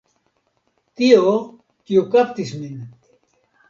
Tio, kio kaptis min .